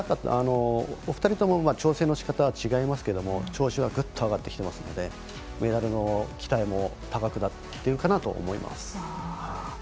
お二人とも調整のしかたは違いますけど調子はぐっと上がってきていますのでメダルの期待も高くなってるかなと思います。